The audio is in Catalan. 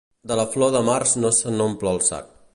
De la flor de març no se n'omple el sac.